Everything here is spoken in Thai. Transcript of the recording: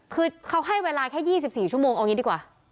คือเขาให้เวลาแค่๒๔ชั่วโมงเอาอย่างนี้ดีกว่า